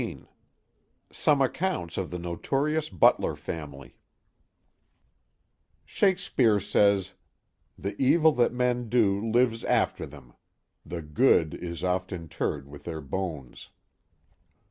Chapter XIII Some Accounts of the Notorious Butler Family Shakespeare says : The evil that men do lives after them; The good is oft interred with their bones.